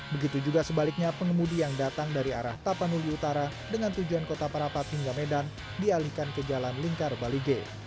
begitu juga sebaliknya pengemudi yang datang dari arah tapanuli utara dengan tujuan kota parapat hingga medan dialihkan ke jalan lingkar balige